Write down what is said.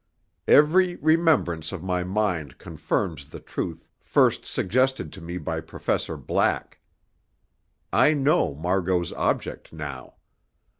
Every remembrance of my mind confirms the truth first suggested to me by Professor Black. I know Margot's object now.